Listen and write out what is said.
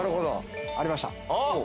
ありました。